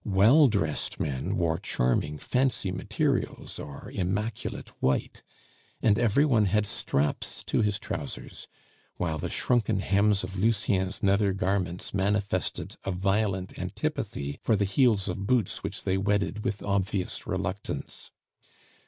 Well dressed men wore charming fancy materials or immaculate white, and every one had straps to his trousers, while the shrunken hems of Lucien's nether garments manifested a violent antipathy for the heels of boots which they wedded with obvious reluctance.